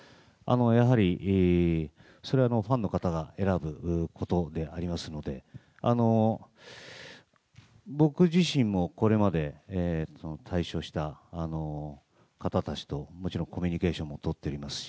やはりそれはファンの方が選ぶことでありますので僕自身もこれまで退所した方たちともちろんコミュニケーションもとっておりますし。